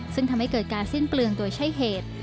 ซึ่งทำให้เกิดการสิ้นเปลืองโดยใช้เหตุ